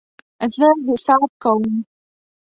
زه حساب کوم